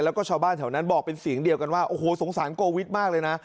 แล้วก็ชาวบ้านแถวนั้นบอกเป็นเสียงเดียวกันว่าโอ้โหสงสารโกวิทมากเลยนะ